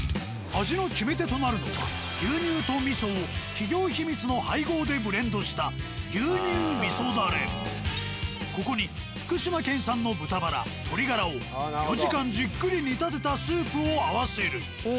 味の決め手となるのは牛乳とみそを企業秘密の配合でブレンドしたここに福島県産の豚バラ鶏ガラを４時間じっくり煮立てたスープを合わせる。